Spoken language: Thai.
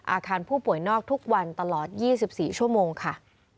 อาคารผู้ป่วยนอกทุกวันตลอด๒๔ชั่วโมงค่ะ